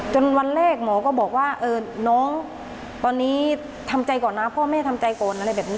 วันแรกหมอก็บอกว่าน้องตอนนี้ทำใจก่อนนะพ่อแม่ทำใจก่อนอะไรแบบนี้